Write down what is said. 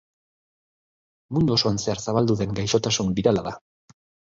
Mundu osoan zehar zabaldu den gaixotasun birala da.